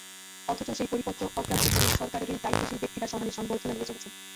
অথচ সেই পরিপত্র অগ্রাহ্য করে সরকারেরই দায়িত্বশীল ব্যক্তিরা সমানে সংবর্ধনা নিয়ে চলেছেন।